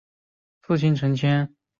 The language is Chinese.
父亲陈谦。